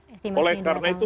dua tahun lagi oleh karena itu